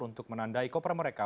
untuk menandai koper mereka